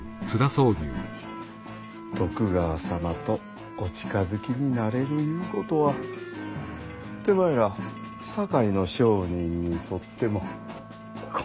徳川様とお近づきになれるいうことは手前ら堺の商人にとってもこの上ない喜び。